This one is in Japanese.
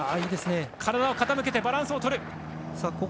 体を傾けて、バランスを取った。